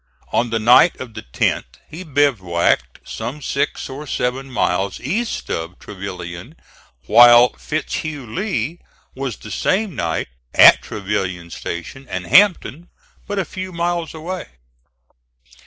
On the night of the 10th he bivouacked some six or seven miles east of Trevilian, while Fitz Hugh Lee was the same night at Trevilian Station and Hampton but a few miles away.